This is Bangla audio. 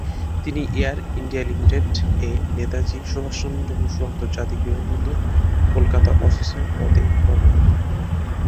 তিনি এয়ার ইন্ডিয়া লিমিটেড এ নেতাজি সুভাষচন্দ্র বসু আন্তর্জাতিক বিমানবন্দর, কলকাতা অফিসার পদে কর্মরত।